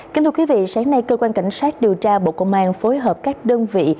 kính thưa quý vị sáng nay cơ quan cảnh sát điều tra bộ công an phối hợp các đơn vị